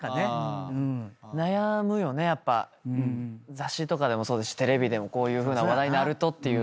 雑誌とかでもそうですしテレビでもこういうふうな話題になるとっていう。